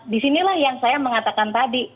di sini lah yang saya mengatakan tadi